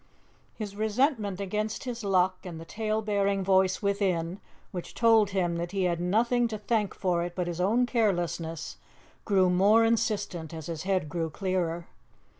His resentment against his luck, and the tale bearing voice within, which told him that he had nothing to thank for it but his own carelessness, grew more insistent as his head grew clearer.